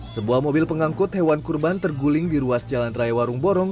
sebuah mobil pengangkut hewan kurban terguling di ruas jalan raya warung borong